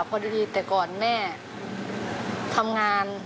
พอดีแต่ก่อนแม่ทำงาน